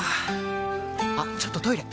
あっちょっとトイレ！